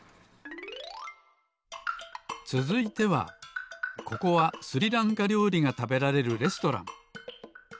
つづいてはここはスリランカりょうりがたべられるレストラン。